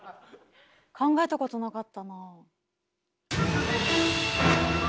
考えたことなかったな。